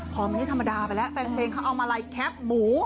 คล้อมเงี้ยธรรมดาไปแล้วแฟนเพลงเค้าเอามาลัยแคปหมู